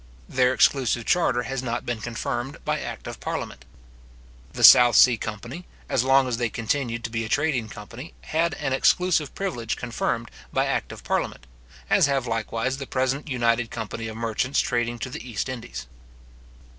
Their exclusive charter has not been confirmed by act of parliament. The South Sea company, as long as they continued to be a trading company, had an exclusive privilege confirmed by act of parliament; as have likewise the present united company of merchants trading to the East Indies.